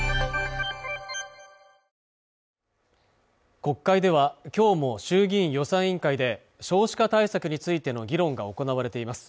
国会ではきょうも衆議院予算委員会で少子化対策についての議論が行われています